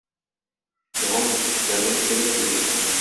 Елан шул сүзләрне әйтә дә күлгә чума.